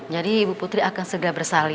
jadi ibu putri akan segera bersalin